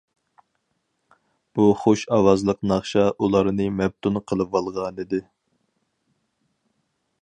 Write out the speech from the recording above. بۇ خۇش ئاۋازلىق ناخشا ئۇلارنى مەپتۇن قىلىۋالغانىدى.